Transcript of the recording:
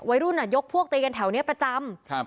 วัยรุ่นอ่ะยกพวกตีกันแถวเนี่ยประจำครับ